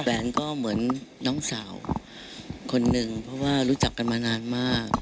แฟนก็เหมือนน้องสาวคนหนึ่งเพราะว่ารู้จักกันมานานมาก